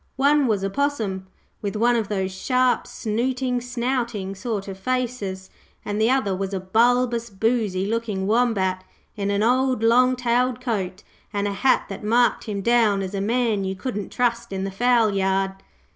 One was a Possum, with one of those sharp, snooting, snouting sort of faces, and the other was a bulbous, boozy looking Wombat in an old long tailed coat, and a hat that marked him down as a man you couldn't trust in the fowlyard.